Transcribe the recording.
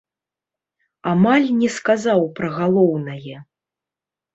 Амаль не сказаў пра галоўнае.